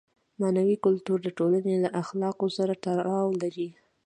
معنوي کلتور د ټولنې له اخلاقو سره تړاو لري.